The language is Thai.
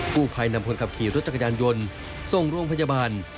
ผู้ภัยนำคนขับขี่รถจักรยานยนต์ส่งโรงพยาบาล